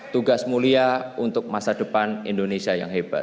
tugas mulia untuk masa depan indonesia yang hebat